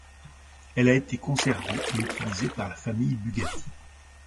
Elle a été conservée et utilisée par la famille Bugatti.